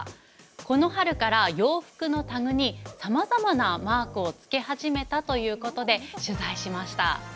この春から洋服のタグにさまざまなマークをつけ始めたということで取材しました。